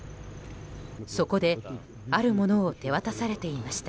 そこであるものを手渡されていました。